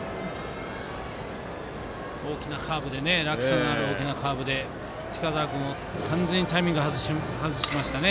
落差のある大きなカーブで近澤君、完全にタイミング外しましたね。